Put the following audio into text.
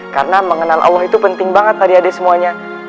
karena mengenal allah itu penting banget adik adik semuanya